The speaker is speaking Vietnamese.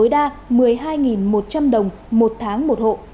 tối đa một mươi hai một trăm linh đồng một tháng một hộ